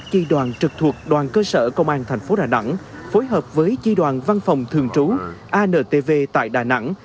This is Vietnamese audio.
ba mươi một chi đoàn trực thuộc đoàn cơ sở công an thành phố đà nẵng phối hợp với chi đoàn văn phòng thường trú antv tại đà nẵng